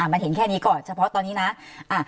มันเห็นแค่นี้ก่อนเฉพาะตอนนี้นะ